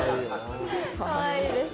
かわいいです。